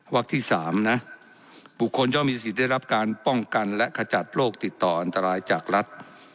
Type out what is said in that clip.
ที่๓นะบุคคลย่อมมีสิทธิ์ได้รับการป้องกันและขจัดโรคติดต่ออันตรายจากรัฐ